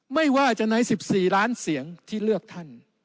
ไม่ว่าจะใน๑๔ล้านเสียงที่เลือกท่าน